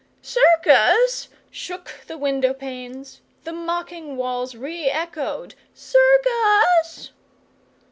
"Circus!" shook the window panes; the mocking walls re echoed "Circus!"